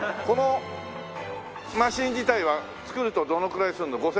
このマシン自体は作るとどのくらいするの？